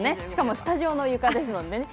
しかもスタジオの床ですし。